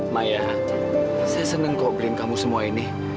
maya saya seneng kok beliin kamu semua ini